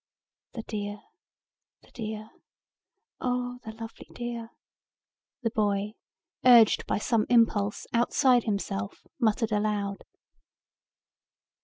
"The dear, the dear, oh the lovely dear," the boy, urged by some impulse outside himself, muttered aloud.